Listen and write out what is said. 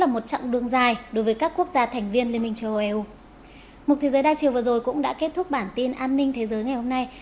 mục thế giới đa triều vừa rồi cũng đã kết thúc bản tin an ninh thế giới ngày hôm nay